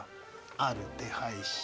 「ある手配師」。